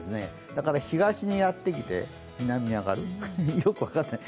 だから東にやってきて、南に上がる、よく分からない。